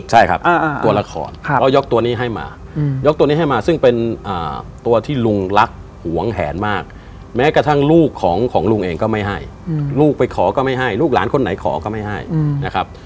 ใช่ครับตัวละครก็ยกตัวนี้ให้มายกตัวนี้ให้มาซึ่งเป็นตัวที่ลุงรักหวงแหนมากแม้กระทั่งลูกของลุงเองก็ไม่ให้ลูกไปขอก็ไม่ให้ลูกหลานคนไหนขอก็ไม่ให้นะครับ